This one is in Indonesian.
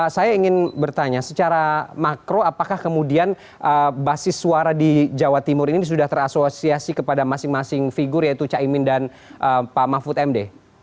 saya ingin bertanya secara makro apakah kemudian basis suara di jawa timur ini sudah terasosiasi kepada masing masing figur yaitu caimin dan pak mahfud md